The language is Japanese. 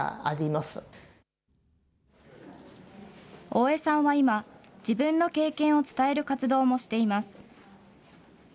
大江さんは今、自分の経験を伝える活動もしています。